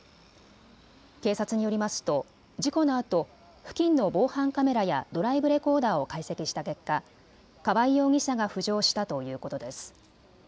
警察によりますと事故のあと付近の防犯カメラやドライブレコーダーを解析した結果、川合容疑者が浮上したということです。